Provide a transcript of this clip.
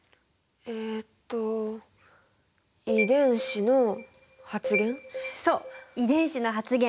えっとそう遺伝子の発現。